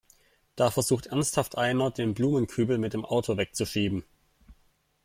Da versucht ernsthaft einer, den Blumenkübel mit dem Auto wegzuschieben!